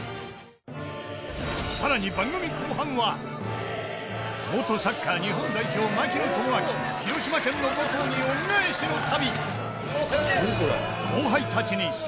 さらに元サッカー日本代表槙野智章広島県の母校に恩返しの旅